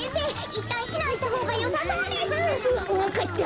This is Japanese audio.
いったんひなんしたほうがよさそうです！わわかった。